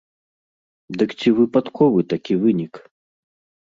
Дык ці выпадковы такі вынік?